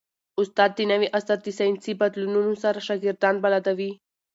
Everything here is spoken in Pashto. استاد د نوي عصر د ساینسي بدلونونو سره شاګردان بلدوي.